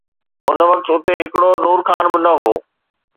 ان وقت اتي هڪڙو نور خان به نه هو.